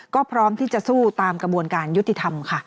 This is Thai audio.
ก็พร้อมที่จะสู้ตามกระบวนการยุติธรรมค่ะ